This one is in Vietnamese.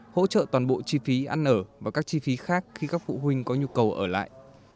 hỗ trợ toàn bộ chi phí ăn ở và các chi phí khác khi các phụ huynh có nhu cầu ở lại